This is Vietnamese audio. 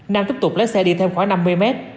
nam tiếp tục lấy xe đi thêm khoảng năm mươi mét